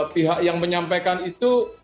pihak yang menyampaikan itu